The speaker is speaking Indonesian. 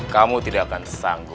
kamu tidak akan sanggup